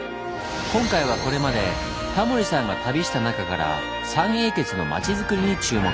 今回はこれまでタモリさんが旅した中から「三英傑の町づくり」に注目。